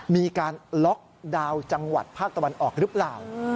มีการล็อกดาวน์จังหวัดภาคตะวันออกหรือเปล่า